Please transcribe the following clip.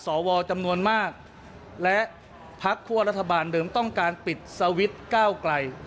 สวจำนวนมากและพักคั่วรัฐบาลเดิมต้องการปิดสวิตช์ก้าวไกล